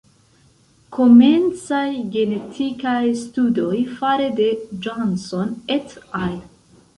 Komencaj genetikaj studoj fare de Johnson et al.